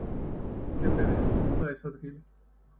კემპერს სძულდა ეს ადგილი.